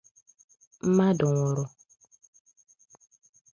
Mmadụ nwụrụ